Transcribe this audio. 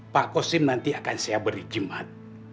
pak kusin nanti akan saya beri jimat